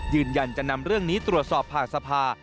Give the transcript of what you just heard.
ยืนยันจะนำเรื่องนี้ตรวจสอบผ่านสภา